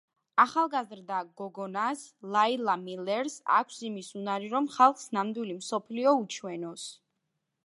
ახალგაზრდა გოგნას, ლაილა მილერს, აქვს იმის უნარი, რომ ხალხს ნამდვილი მსოფლიო უჩვენოს.